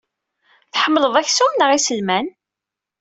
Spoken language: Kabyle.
Tḥemmleḍ aksum neɣ iselman?